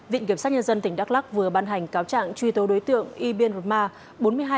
vịnh kiểm soát nhân dân tỉnh đắk lắc vừa ban hành cáo trạng truy tố đối tượng ibn rumah